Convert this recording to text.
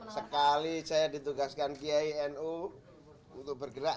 sekali saya ditugaskan ginu untuk bergerak